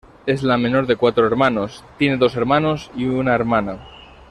Es la menor de cuatro hermanos, tiene dos hermanos y una hermana.